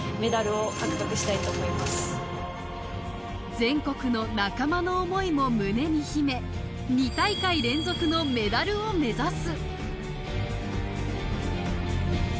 全国の仲間の思いも胸に秘め、２大会連続のメダルを目指す。